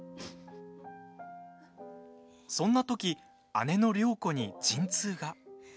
そんなとき、姉の良子に陣痛が。